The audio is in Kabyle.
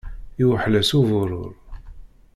Iwḥel-as uburur.